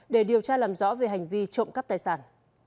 để điều tra làm rõ về hành vi trộm cắp tài sản